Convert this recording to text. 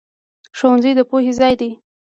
ښوونځی د پوهې ځای دی